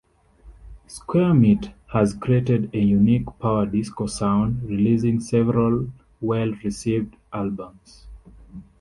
Squaremeat has created a unique "power disco" sound, releasing several well-received albums.